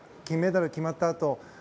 金メダル決まったあと。